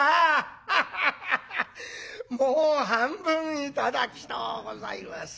もう半分頂きとうございます」。